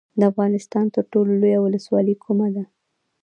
د افغانستان تر ټولو لویه ولسوالۍ کومه ده؟